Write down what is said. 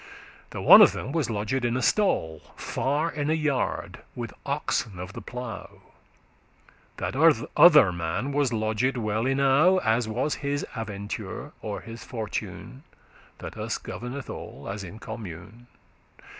The one of them was lodged in a stall, Far in a yard, with oxen of the plough; That other man was lodged well enow, As was his aventure, or his fortune, That us governeth all, as in commune.